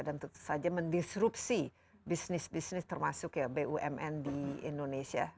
dan tentu saja mendisrupsi bisnis bisnis termasuk bumn di indonesia